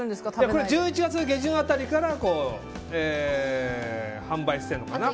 これ１１月下旬辺りから販売しているのかな。